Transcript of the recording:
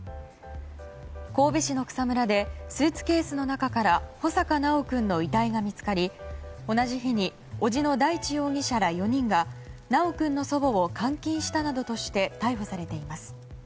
神戸市の草むらでスーツケースの中から穂坂修君の遺体が見つかり同じ日に叔父の大地容疑者ら４人が修君の祖母を監禁したなどとして逮捕されています。